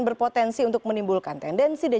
berpotensi untuk menimbulkan tendensi